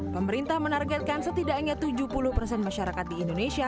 pemerintah menargetkan setidaknya tujuh puluh persen masyarakat di indonesia